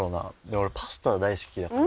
俺パスタが大好きだから。